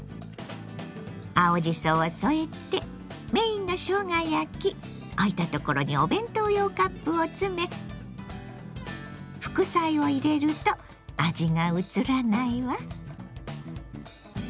青じそを添えてメインのしょうが焼き空いたところにお弁当用カップを詰め副菜を入れると味が移らないわ。